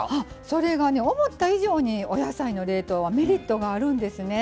それがね思った以上にお野菜の冷凍はメリットがあるんですね。